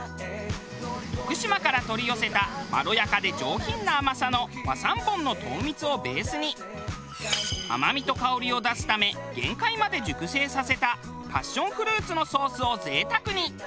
徳島から取り寄せたまろやかで上品な甘さの和三盆の糖蜜をベースに甘みと香りを出すため限界まで熟成させたパッションフルーツのソースを贅沢に。